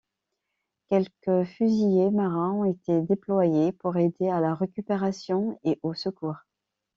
Quelque fusiliers marins ont été déployés pour aider à la récupération et aux secours.